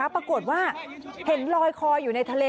ปรากฏว่าเห็นลอยคออยู่ในทะเล